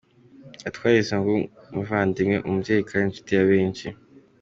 Yatwaye ubuzima bw’umuvandimwe, umubyeyi kandi inshuti ya benshi.